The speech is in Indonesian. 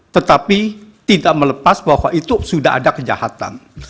tetapi tidak melepas bahwa itu sudah ada kejahatan